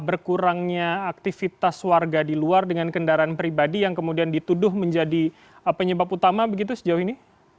berkurangnya aktivitas warga di luar dengan kendaraan pribadi yang kemudian dituduh menjadi penyebab utama begitu sejauh ini